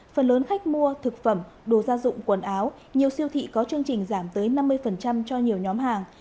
phần lớn khách mua thực phẩm đồ gia dụng quần áo nhiều siêu thị có chương trình giảm tới năm mươi cho nhiều nhóm hàng